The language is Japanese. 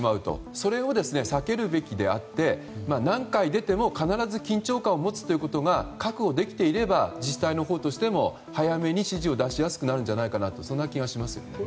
それを避けるべきであって何回出ても必ず緊張感を持つということが確保できていれば自治体のほうとしても早めに指示を出しやすくなる気がします。